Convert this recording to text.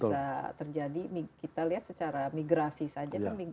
bisa terjadi kita lihat secara migrasi saja